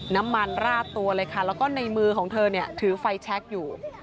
น้ำมันราดตัวเลยค่ะแล้วก็ในมือของเธอเนี่ยถือไฟแชคอยู่